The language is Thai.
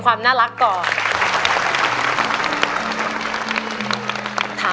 ที่กำลังถึงได้